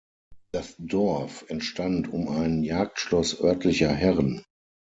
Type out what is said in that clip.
Das Dorf entstand um ein Jagdschloss örtlicher Herren.